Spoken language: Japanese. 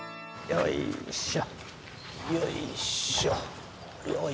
よいしょ！